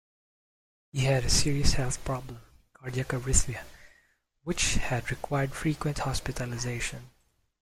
He had a serious health problem, cardiac arrhythmia, which had required frequent hospitalisation.